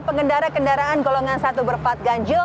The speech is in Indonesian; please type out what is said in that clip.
pengendara kendaraan golongan satu berpat ganjil